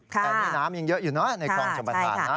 แต่นี่น้ำยังเยอะอยู่เนอะในคลองชมประธานนะ